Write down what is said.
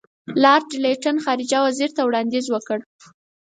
لارډ لیټن خارجه وزیر ته وړاندیز وکړ.